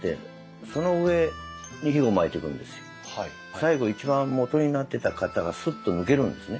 最後一番もとになってた型がスッと抜けるんですね。